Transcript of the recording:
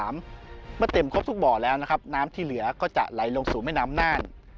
เมื่อเต็มครบทุกบ่อแล้วนะครับน้ำที่เหลือก็จะไหลลงสู่แม่น้ำน่าน